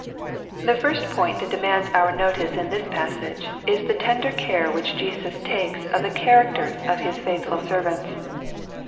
The first point that demands our notice in this passage, is the tended' care which Jesus takes of the characters of His faUihfvi servants.